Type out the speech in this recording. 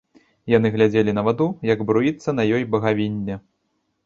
Яны глядзелі на ваду, як бруіцца на ёй багавінне.